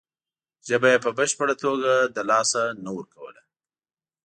ژبه یې په بشپړه توګه له لاسه نه ورکوله.